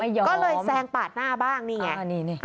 ก็เลยแซงปาดหน้าบ้างนี่ไง